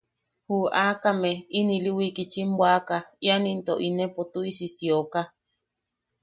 Ju aakame in ili wikitchim bwaʼaka ian into inepo tuʼisi sioka.